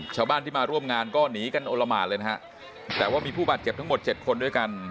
ชาวบ้านที่มาร่วมงานก็หนีกันโอละหมานเลยนะฮะแต่ว่ามีผู้บาดเจ็บทั้งหมดเจ็ดคนด้วยกัน